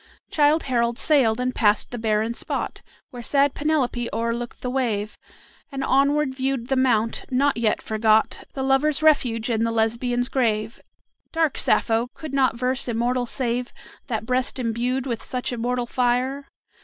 "Childe Harold sailed and passed the barren spot Where sad Penelope o'erlooked the wave, And onward viewed the mount, not yet forgot, The lover's refuge and the Lesbian's grave. Dark Sappho! could not verse immortal save That breast imbued with such immortal fire?